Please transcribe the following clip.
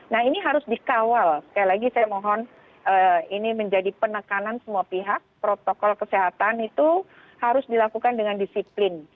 nah ini harus dikawal sekali lagi saya mohon ini menjadi penekanan semua pihak protokol kesehatan itu harus dilakukan dengan disiplin